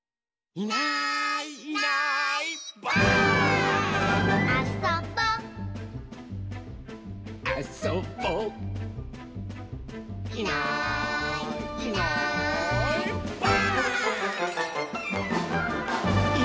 「いないいないいない」